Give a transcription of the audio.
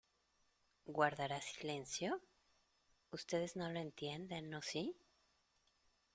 ¿ Guardarás silencio? ¿ ustedes no lo entienden, o si ?